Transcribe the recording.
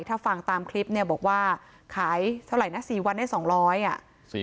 ถ้าฟังตามคลิปเนี่ยบอกว่าขายเท่าไหร่นะ๔วันได้๒๐๐อ่ะ